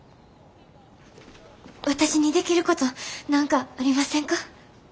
私にできること何かありませんか。